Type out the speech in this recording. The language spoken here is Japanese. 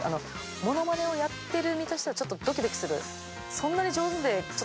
モノマネをやってる身としてはちょっとドキドキする。